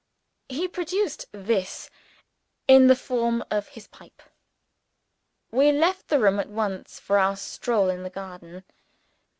He produced "This," in the form of his pipe. We left the room at once for our stroll in the garden.